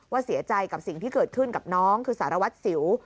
เสียใจกับสิ่งที่เกิดขึ้นกับน้องคือสารวัตรสิว